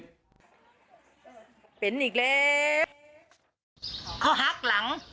เป็นอีกเลย